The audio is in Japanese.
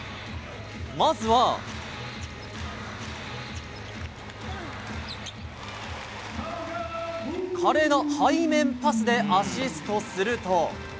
まずは華麗な背面パスでアシストすると。